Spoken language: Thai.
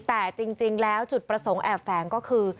แต่จริงแล้วจุดประสงค์แอบแฝงก็คือ